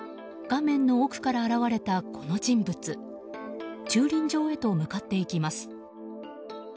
画面の奥から現れたこの人物駐輪場へと向かっていきます。